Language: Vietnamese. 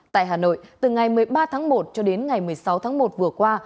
tại hà nội từ ngày một mươi ba tháng một cho đến ngày một mươi sáu tháng một vừa qua